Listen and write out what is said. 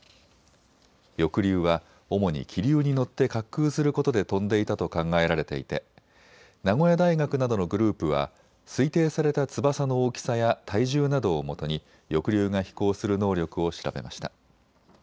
翼竜は主に気流に乗って滑空することで飛んでいたと考えられていて名古屋大学などのグループは推定された翼の大きさや体重などをもとに翼竜が飛行する能力を調べました。